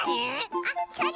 あっそれ！